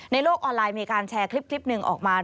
โลกออนไลน์มีการแชร์คลิปหนึ่งออกมา